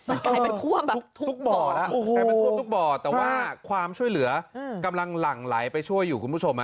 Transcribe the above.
มันกลายเป็นท่วมแบบทุกบ่อทุกบ่อแล้วแต่ว่าความช่วยเหลือกำลังหลั่งไหลไปช่วยอยู่คุณผู้ชมอ่ะ